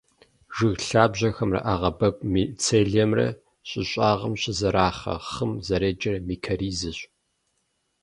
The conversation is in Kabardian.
Жыг лъабжьэхэмрэ ӏэгъэбэгу мицелиимрэ щӏы щӏыгъым щызэрахъэ хъым зэреджэр микоризэщ.